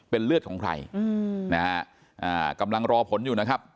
เป็นเลือดของใครอืมนะฮะกำลังรอผลอยู่นะครับ